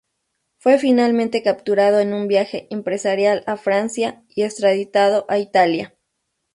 Fue finalmente capturado en un viaje empresarial a Francia, y extraditado a Italia.